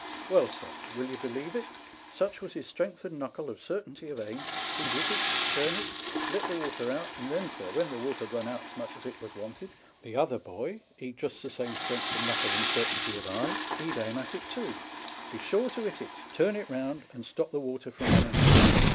Well, sir ^ will you believe it ? â€" such was his strength of knuckle and certainty of aim, he'd hit it, turn it, let the water out, and then, sir, when the water had run out as much as it was wanted, the other boy (he'd just the same strength of knuckle and certainty of eye) he'd aim at it too, be sure to hit it, turn it round, and stop the water from running out.